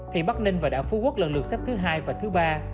thì bắc ninh và đảo phú quốc lần lượt xếp thứ hai và thứ ba